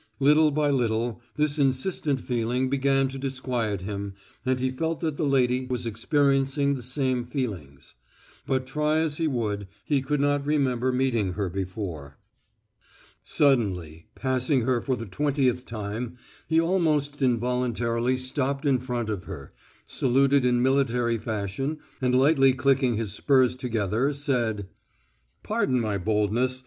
Little by little this insistent feeling began to disquiet him, and he felt that the lady was experiencing the same feelings. But try as he would he could not remember meeting her before. Suddenly, passing her for the twentieth time, he almost involuntarily stopped in front of her, saluted in military fashion, and lightly clicking his spurs together said: "Pardon my boldness